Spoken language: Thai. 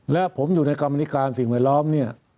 และผมอยู่ในกรรมนิการสิ่งแวดล้อมเนี่ย